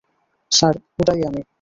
Sir, ওটাই আমি।